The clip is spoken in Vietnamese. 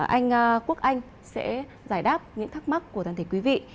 anh quốc anh sẽ giải đáp những thắc mắc của toàn thể quý vị